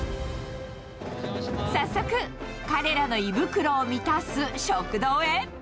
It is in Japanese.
早速、彼らの胃袋を満たす食堂へ。